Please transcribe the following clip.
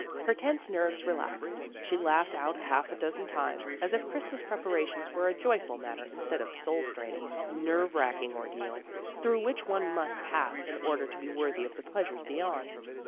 Her tense nerves relaxed. She laughed out half a dozen times, as if Christmas preparations were a joyful matter instead of soul straining, nerve racking ordeal, through which one must pass in order to be worthy of the pleasures beyond.